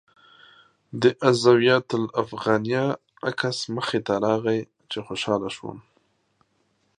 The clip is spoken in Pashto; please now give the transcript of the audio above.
د الزاویة الافغانیه عکس مخې ته راغی چې خوشاله شوم.